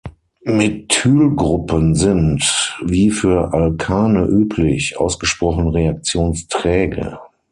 Methylgruppen sind, wie für Alkane üblich, ausgesprochen reaktionsträge.